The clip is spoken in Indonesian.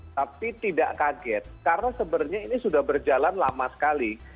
tapi tidak kaget karena sebenarnya ini sudah berjalan lama sekali